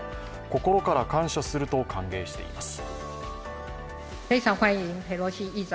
心から感謝すると歓迎しています。